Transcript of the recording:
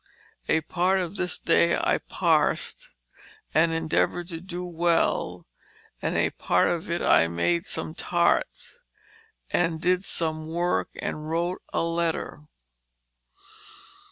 A part of this day I parsed and endeavored to do well and a part of it I made some tarts and did some work and wrote a letter.